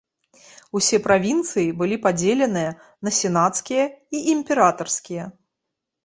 Усе правінцыі былі падзеленыя на сенацкія і імператарскія.